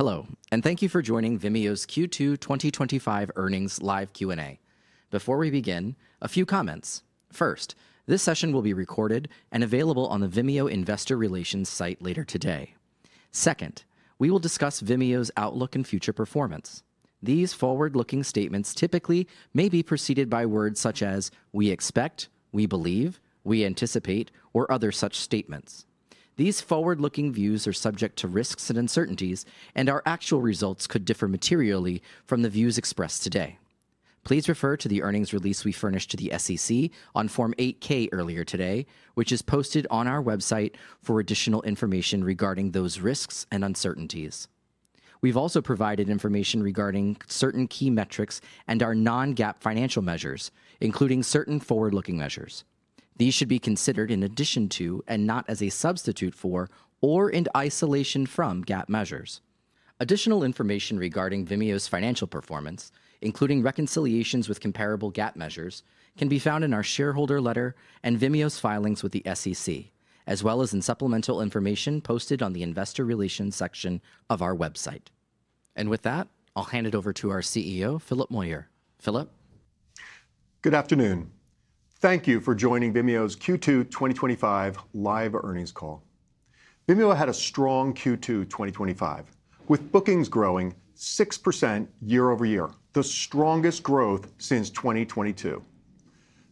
Hello, and thank you for joining Vimeo's Q2 2025 Earnings Live Q&A. Before we begin, a few comments: First, this session will be recorded and available on the Vimeo Investor Relations site later today. Second, we will discuss Vimeo's outlook and future performance. These forward-looking statements typically may be preceded by words such as "We expect," "We believe," "We anticipate," or other such statements. These forward-looking views are subject to risks and uncertainties, and our actual results could differ materially from the views expressed today. Please refer to the earnings release we furnished to the SEC on Form 8-K earlier today, which is posted on our website, for additional information regarding those risks and uncertainties. We've also provided information regarding certain key metrics and our non-GAAP financial measures, including certain forward-looking measures. These should be considered in addition to, and not as a substitute for, or in isolation from, GAAP measures. Additional information regarding Vimeo's financial performance, including reconciliations with comparable GAAP measures, can be found in our shareholder letter and Vimeo's filings with the SEC, as well as in supplemental information posted on the Investor Relations section of our website. With that, I'll hand it over to our CEO, Philip Moyer. Philip? Good afternoon. Thank you for joining Vimeo's Q2 2025 Live Earnings Call. Vimeo had a strong Q2 2025, with bookings growing 6% year-over-year, the strongest growth since 2022.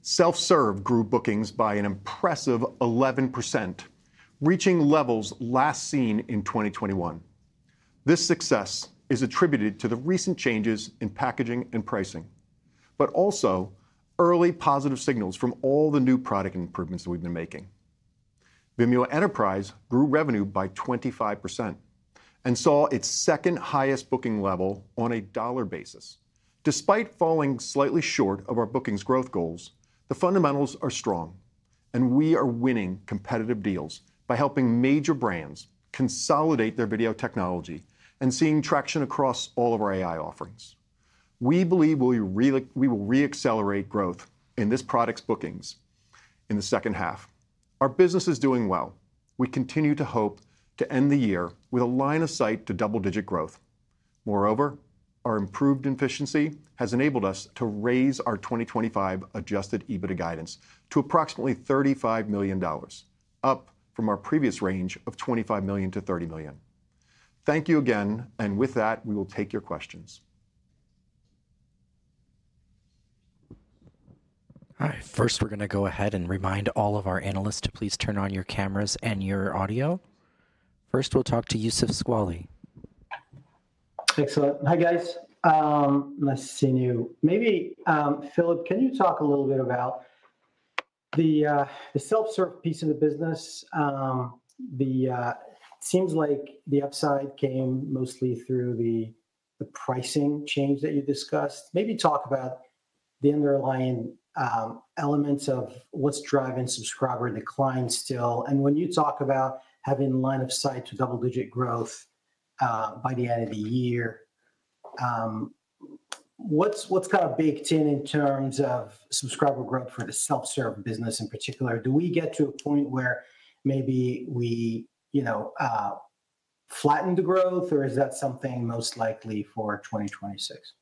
Self-serve grew bookings by an impressive 11%, reaching levels last seen in 2021. This success is attributed to the recent changes in packaging and pricing, but also early positive signals from all the new product improvements that we've been making. Vimeo Enterprise grew revenue by 25% and saw its second highest booking level on a dollar basis. Despite falling slightly short of our bookings growth goals, the fundamentals are strong, and we are winning competitive deals by helping major brands consolidate their video technology and seeing traction across all of our AI offerings. We believe we will re-accelerate growth in this product's bookings in the second half. Our business is doing well. We continue to hope to end the year with a line of sight to double-digit growth. Moreover, our improved efficiency has enabled us to raise our 2025 adjusted EBITDA guidance to approximately $35 million, up from our previous range of $25 million-$30 million. Thank you again, and with that, we will take your questions. Alright, first we're going to go ahead and remind all of our analysts to please turn on your cameras and your audio. First, we'll talk to Youssef Squali. Excellent. Hi, guys. Nice to see you. Maybe, Philip, can you talk a little bit about the self-serve piece of the business? It seems like the upside came mostly through the pricing change that you discussed. Maybe talk about the underlying elements of what's driving subscriber decline still. When you talk about having line of sight to double-digit growth by the end of the year, what's kind of baked in in terms of subscriber growth for the self-serve business in particular? Do we get to a point where maybe we flatten the growth, or is that something most likely for 2026?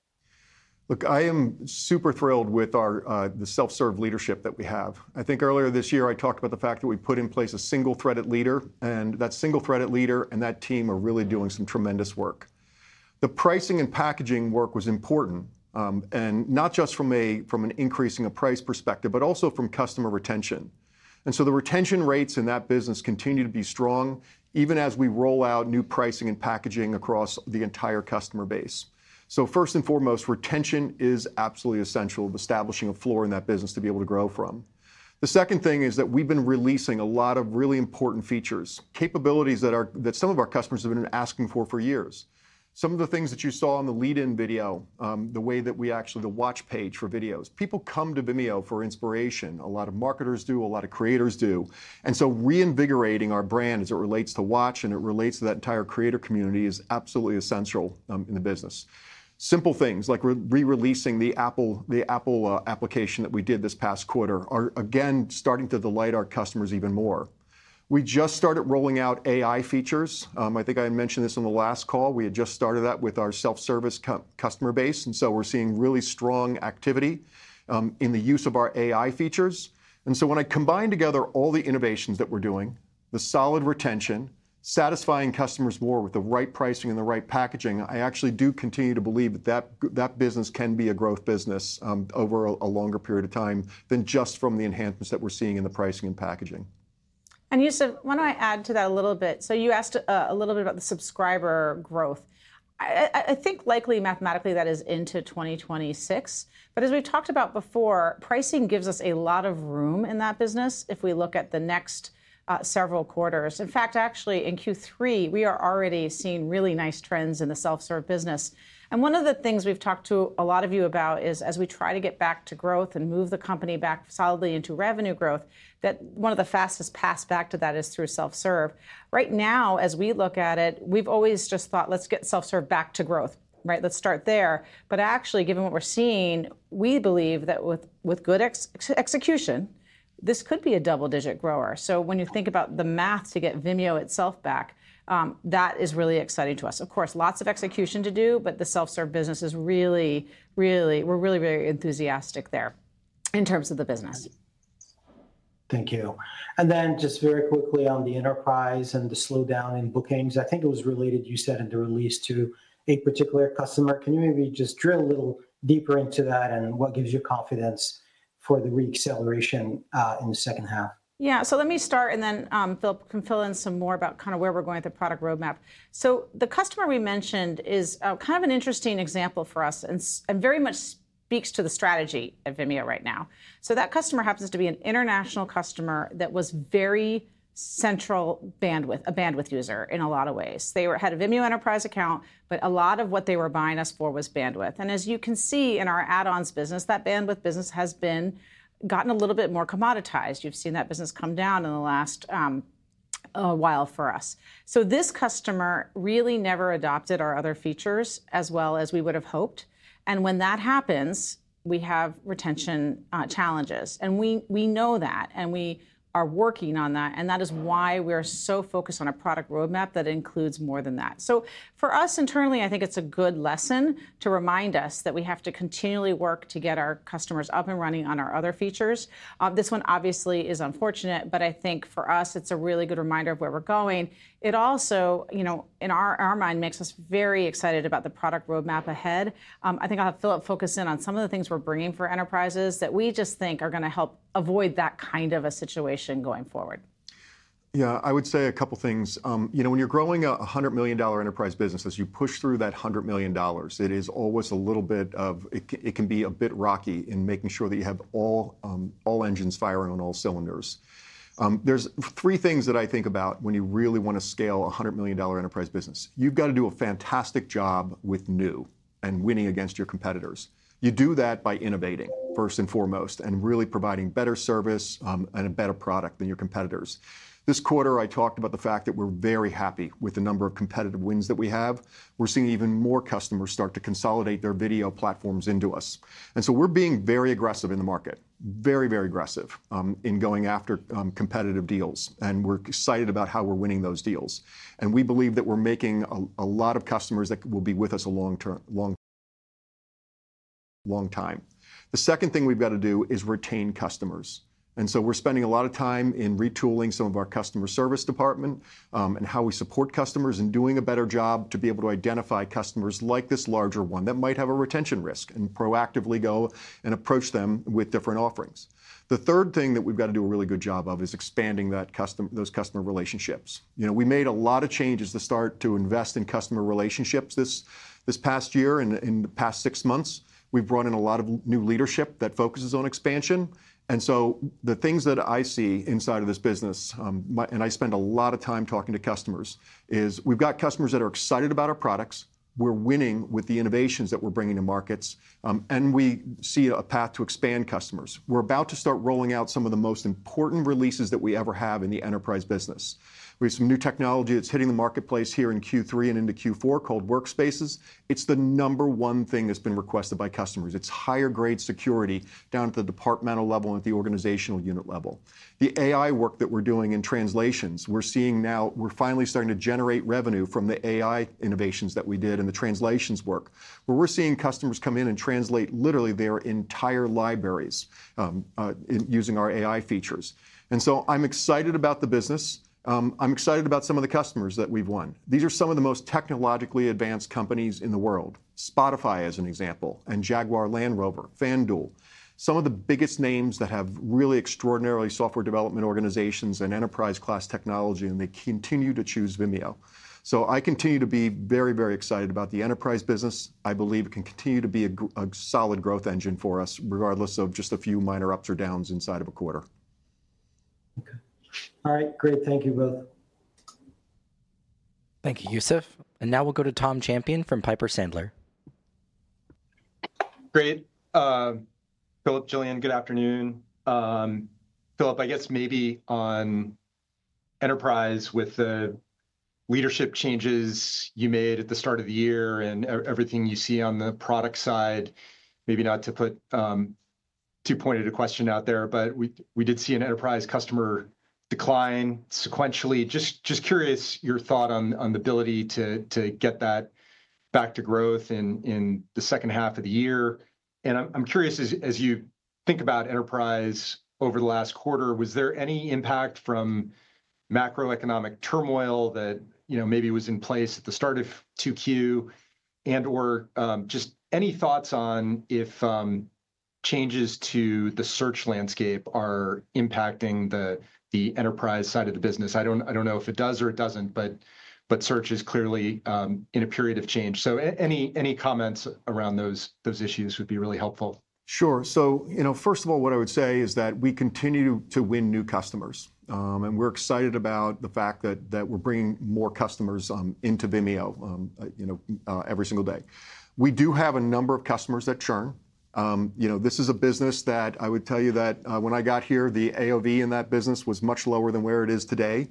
Look, I am super thrilled with the self-serve leadership that we have. I think earlier this year I talked about the fact that we put in place a single-threaded leader, and that single-threaded leader and that team are really doing some tremendous work. The pricing and packaging work was important, not just from an increase in price perspective, but also from customer retention. The retention rates in that business continue to be strong even as we roll out new pricing and packaging across the entire customer base. First and foremost, retention is absolutely essential to establishing a floor in that business to be able to grow from. The second thing is that we've been releasing a lot of really important features, capabilities that some of our customers have been asking for for years. Some of the things that you saw in the lead-in video, the way that we actually, the watch page for videos, people come to Vimeo for inspiration. A lot of marketers do, a lot of creators do. Reinvigorating our brand as it relates to watch and it relates to that entire creator community is absolutely essential in the business. Simple things like re-releasing the Apple application that we did this past quarter are again starting to delight our customers even more. We just started rolling out AI features. I think I mentioned this on the last call. We had just started that with our self-serve customer base, and we're seeing really strong activity in the use of our AI features. When I combine together all the innovations that we're doing, the solid retention, satisfying customers more with the right pricing and the right packaging, I actually do continue to believe that that business can be a growth business over a longer period of time than just from the enhancements that we're seeing in the pricing and packaging. Youssef, I want to add to that a little bit. You asked a little bit about the subscriber growth. I think likely mathematically that is into 2026. As we've talked about before, pricing gives us a lot of room in that business if we look at the next several quarters. In fact, actually in Q3, we are already seeing really nice trends in the self-serve business. One of the things we've talked to a lot of you about is as we try to get back to growth and move the company back solidly into revenue growth, one of the fastest paths back to that is through self-serve. Right now, as we look at it, we've always just thought, let's get self-serve back to growth, right? Let's start there. Actually, given what we're seeing, we believe that with good execution, this could be a double-digit grower. When you think about the math to get Vimeo itself back, that is really exciting to us. Of course, lots of execution to do, but the self-serve business is really, really, we're really very enthusiastic there in terms of the business. Thank you. Just very quickly on the enterprise and the slowdown in bookings, I think it was related, you said, in the release to a particular customer. Can you maybe just drill a little deeper into that and what gives you confidence for the re-acceleration in the second half? Yeah, let me start and then Philip can fill in some more about where we're going with the product roadmap. The customer we mentioned is kind of an interesting example for us and very much speaks to the strategy at Vimeo right now. That customer happens to be an international customer that was very central bandwidth, a bandwidth user in a lot of ways. They had a Vimeo Enterprise account, but a lot of what they were buying us for was bandwidth. As you can see in our add-ons business, that bandwidth business has gotten a little bit more commoditized. You've seen that business come down in the last while for us. This customer really never adopted our other features as well as we would have hoped. When that happens, we have retention challenges. We know that and we are working on that. That is why we're so focused on a product roadmap that includes more than that. For us internally, I think it's a good lesson to remind us that we have to continually work to get our customers up and running on our other features. This one obviously is unfortunate, but I think for us, it's a really good reminder of where we're going. It also, in our mind, makes us very excited about the product roadmap ahead. I think I'll have Philip focus in on some of the things we're bringing for enterprises that we just think are going to help avoid that kind of a situation going forward. Yeah, I would say a couple of things. When you're growing a $100 million enterprise business, as you push through that $100 million, it is always a little bit of, it can be a bit rocky in making sure that you have all engines firing on all cylinders. There are three things that I think about when you really want to scale a $100 million enterprise business. You've got to do a fantastic job with new and winning against your competitors. You do that by innovating, first and foremost, and really providing better service and a better product than your competitors. This quarter, I talked about the fact that we're very happy with the number of competitive wins that we have. We're seeing even more customers start to consolidate their video platforms into us. We are being very aggressive in the market, very, very aggressive in going after competitive deals. We're excited about how we're winning those deals, and we believe that we're making a lot of customers that will be with us a long time. The second thing we've got to do is retain customers. We're spending a lot of time in retooling some of our customer service department and how we support customers and doing a better job to be able to identify customers like this larger one that might have a retention risk and proactively go and approach them with different offerings. The third thing that we've got to do a really good job of is expanding those customer relationships. We made a lot of changes to start to invest in customer relationships this past year and in the past six months. We've brought in a lot of new leadership that focuses on expansion. The things that I see inside of this business, and I spend a lot of time talking to customers, is we've got customers that are excited about our products. We're winning with the innovations that we're bringing to markets, and we see a path to expand customers. We're about to start rolling out some of the most important releases that we ever have in the enterprise business. We have some new technology that's hitting the marketplace here in Q3 and into Q4 called Workspaces. It's the number one thing that's been requested by customers. It's higher-grade security down at the departmental level and at the organizational unit level. The AI work that we're doing in translations, we're seeing now we're finally starting to generate revenue from the AI innovations that we did in the translations work, where we're seeing customers come in and translate literally their entire libraries using our AI features. I'm excited about the business. I'm excited about some of the customers that we've won. These are some of the most technologically advanced companies in the world: Spotify, for example, and Jaguar Land Rover, FanDuel. Some of the biggest names that have really extraordinary software development organizations and enterprise-class technology, and they continue to choose Vimeo. I continue to be very, very excited about the enterprise business. I believe it can continue to be a solid growth engine for us, regardless of just a few minor ups or downs inside of a quarter. Okay. All right. Great. Thank you both. Thank you, Youssef. Now we'll go to Tom Champion from Piper Sandler. Great. Philip, Gillian, good afternoon. Philip, I guess maybe on enterprise with the leadership changes you made at the start of the year and everything you see on the product side, maybe not to put too pointed a question out there, but we did see an enterprise customer decline sequentially. Just curious your thought on the ability to get that back to growth in the second half of the year. I'm curious, as you think about enterprise over the last quarter, was there any impact from macro-economic turmoil that maybe was in place at the start of 2Q? Any thoughts on if changes to the search landscape are impacting the enterprise side of the business? I don't know if it does or it doesn't, but search is clearly in a period of change. Any comments around those issues would be really helpful. Sure. First of all, what I would say is that we continue to win new customers. We're excited about the fact that we're bringing more customers into Vimeo every single day. We do have a number of customers that churn. This is a business that I would tell you that when I got here, the AOV in that business was much lower than where it is today.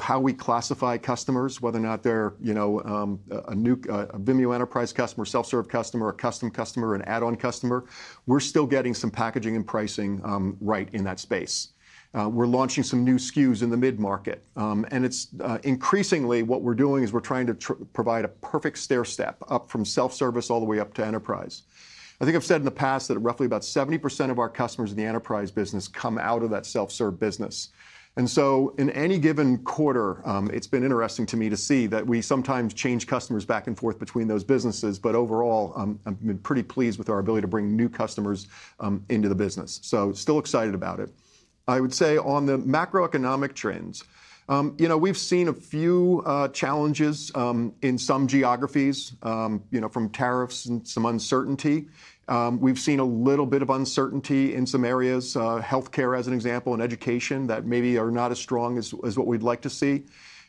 How we classify customers, whether or not they're a Vimeo Enterprise customer, self-serve customer, a custom customer, an add-on customer, we're still getting some packaging and pricing right in that space. We're launching some new SKUs in the mid-market. Increasingly, what we're doing is we're trying to provide a perfect stair step up from self-service all the way up to enterprise. I think I've said in the past that roughly about 70% of our customers in the enterprise business come out of that self-serve business. In any given quarter, it's been interesting to me to see that we sometimes change customers back and forth between those businesses. Overall, I'm pretty pleased with our ability to bring new customers into the business. Still excited about it. I would say on the macro-economic trends, we've seen a few challenges in some geographies from tariffs and some uncertainty. We've seen a little bit of uncertainty in some areas, healthcare as an example, and education that maybe are not as strong as what we'd like to see.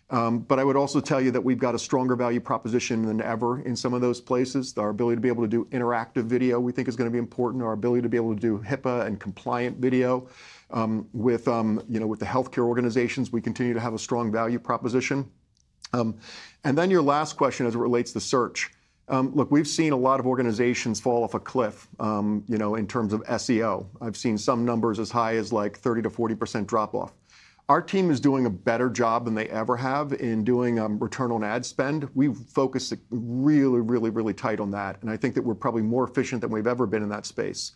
I would also tell you that we've got a stronger value proposition than ever in some of those places. Our ability to be able to do interactive video we think is going to be important, our ability to be able to do HIPAA and compliant video. With the healthcare organizations, we continue to have a strong value proposition. Your last question as it relates to search. Look, we've seen a lot of organizations fall off a cliff in terms of SEO. I've seen some numbers as high as 30%-40% drop-off. Our team is doing a better job than they ever have in doing return on ad spend. We focus really, really, really tight on that. I think that we're probably more efficient than we've ever been in that space.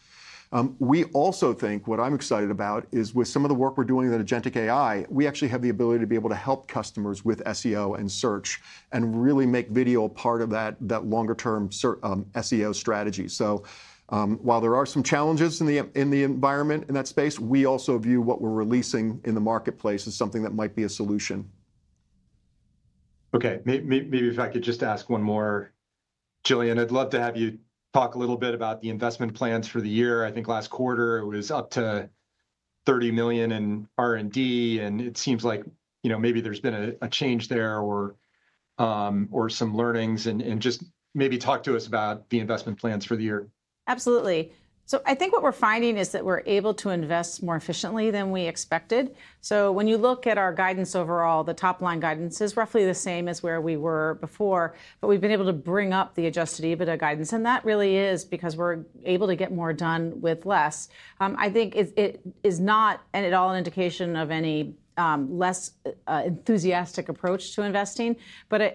What I'm excited about is with some of the work we're doing with agentic AI, we actually have the ability to be able to help customers with SEO and search and really make video part of that longer-term SEO strategy. While there are some challenges in the environment in that space, we also view what we're releasing in the marketplace as something that might be a solution. Okay, maybe if I could just ask one more, Gillian, I'd love to have you talk a little bit about the investment plans for the year. I think last quarter it was up to $30 million in R&D, and it seems like, you know, maybe there's been a change there or some learnings, and just maybe talk to us about the investment plans for the year. Absolutely. I think what we're finding is that we're able to invest more efficiently than we expected. When you look at our guidance overall, the top line guidance is roughly the same as where we were before, but we've been able to bring up the adjusted EBITDA guidance, and that really is because we're able to get more done with less. I think it is not at all an indication of any less enthusiastic approach to investing.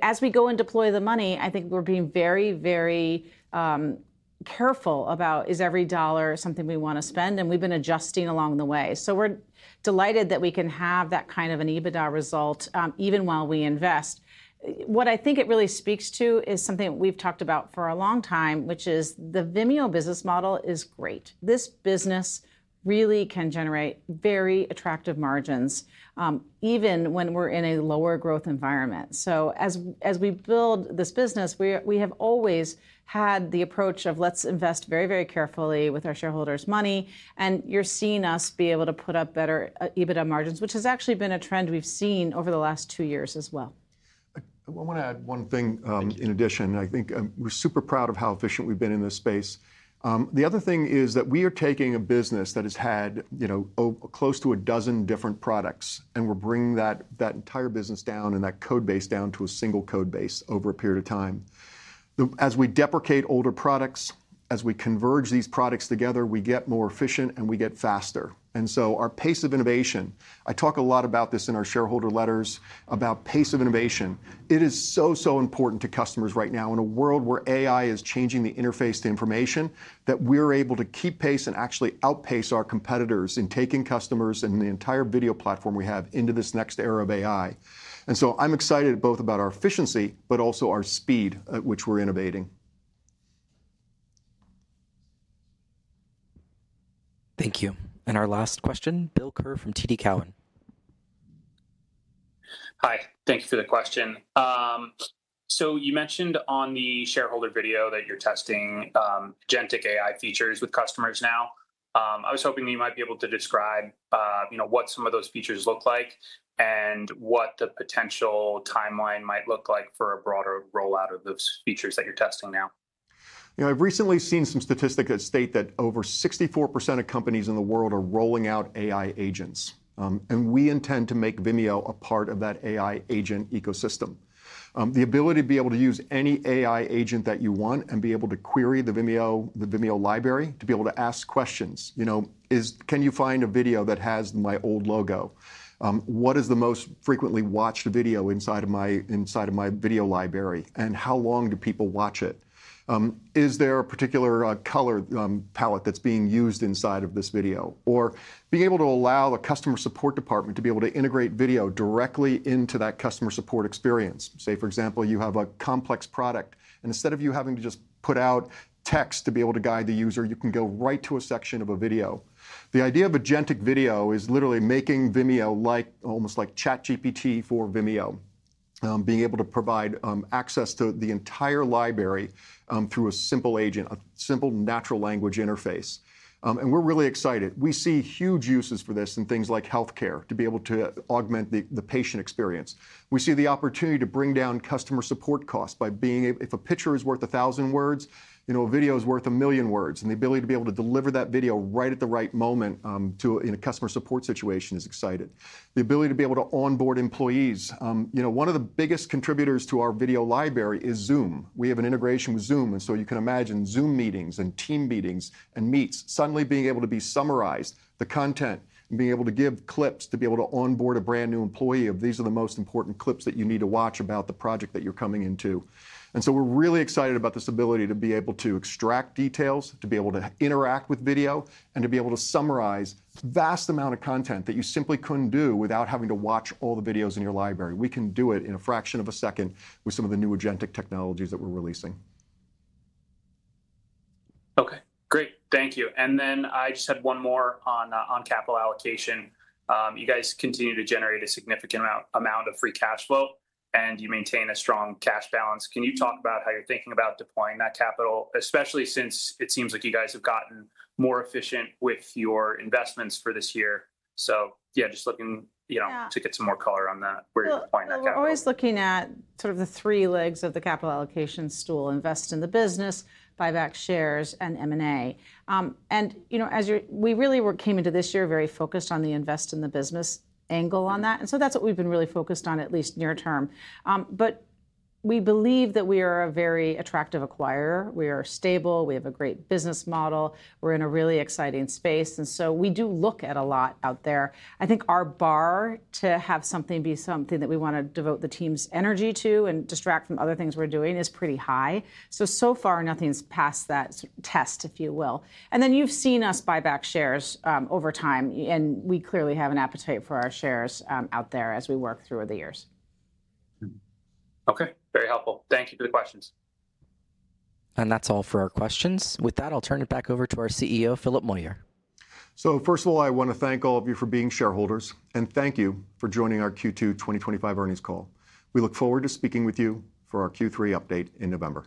As we go and deploy the money, I think we're being very, very careful about is every dollar something we want to spend, and we've been adjusting along the way. We're delighted that we can have that kind of an EBITDA result even while we invest. What I think it really speaks to is something that we've talked about for a long time, which is the Vimeo business model is great. This business really can generate very attractive margins even when we're in a lower growth environment. As we build this business, we have always had the approach of let's invest very, very carefully with our shareholders' money, and you're seeing us be able to put up better EBITDA margins, which has actually been a trend we've seen over the last two years as well. I want to add one thing in addition. I think we're super proud of how efficient we've been in this space. The other thing is that we are taking a business that has had close to a dozen different products, and we're bringing that entire business down and that code base down to a single code base over a period of time. As we deprecate older products, as we converge these products together, we get more efficient and we get faster. Our pace of innovation, I talk a lot about this in our shareholder letters, about pace of innovation. It is so, so important to customers right now in a world where AI is changing the interface to information, that we're able to keep pace and actually outpace our competitors in taking customers and the entire video platform we have into this next era of AI. I'm excited both about our efficiency, but also our speed at which we're innovating. Thank you. Our last question, Bill Kerr from TD Cowen. Hi, thank you for the question. You mentioned on the shareholder video that you're testing GenTech AI features with customers now. I was hoping you might be able to describe what some of those features look like and what the potential timeline might look like for a broader rollout of those features that you're testing now. I've recently seen some statistics that state that over 64% of companies in the world are rolling out AI agents, and we intend to make Vimeo a part of that AI agent ecosystem. The ability to be able to use any AI agent that you want and be able to query the Vimeo library to be able to ask questions. Can you find a video that has my old logo? What is the most frequently watched video inside of my video library? How long do people watch it? Is there a particular color palette that's being used inside of this video? Being able to allow the customer support department to be able to integrate video directly into that customer support experience. For example, you have a complex product, and instead of you having to just put out text to be able to guide the user, you can go right to a section of a video. The idea of a GenTech video is literally making Vimeo almost like ChatGPT for Vimeo, being able to provide access to the entire library through a simple agent, a simple natural language interface. We're really excited. We see huge uses for this in things like healthcare to be able to augment the patient experience. We see the opportunity to bring down customer support costs by being able, if a picture is worth a thousand words, a video is worth a million words, and the ability to be able to deliver that video right at the right moment in a customer support situation is exciting. The ability to be able to onboard employees, one of the biggest contributors to our video library is Zoom. We have an integration with Zoom, and you can imagine Zoom meetings and team meetings and meets suddenly being able to be summarized, the content, and being able to give clips to be able to onboard a brand new employee of these are the most important clips that you need to watch about the project that you're coming into. We're really excited about this ability to be able to extract details, to be able to interact with video, and to be able to summarize a vast amount of content that you simply couldn't do without having to watch all the videos in your library. We can do it in a fraction of a second with some of the new GenTech technologies that we're releasing. Okay, great. Thank you. I just had one more on capital allocation. You guys continue to generate a significant amount of free cash flow, and you maintain a strong cash balance. Can you talk about how you're thinking about deploying that capital, especially since it seems like you guys have gotten more efficient with your investments for this year? Just looking to get some more color on that, where you're deploying that capital. I'm always looking at the three legs of the capital allocation stool: invest in the business, buy back shares, and M&A. As we really came into this year very focused on the invest in the business angle on that, that's what we've been really focused on at least near term. We believe that we are a very attractive acquirer. We are stable. We have a great business model. We're in a really exciting space. We do look at a lot out there. I think our bar to have something be something that we want to devote the team's energy to and distract from other things we're doing is pretty high. So far, nothing's passed that test, if you will. You've seen us buy back shares over time, and we clearly have an appetite for our shares out there as we work through the years. Okay, very helpful. Thank you for the questions. That is all for our questions. With that, I'll turn it back over to our CEO, Philip Moyer. I want to thank all of you for being shareholders, and thank you for joining our Q2 2025 earnings call. We look forward to speaking with you for our Q3 update in November.